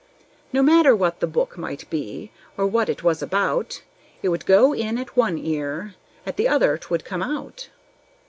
No matter what the book might be, or what it was about, It would go in at one ear, at the other 'twould come out!